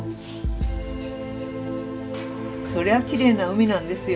それはきれいな海なんですよ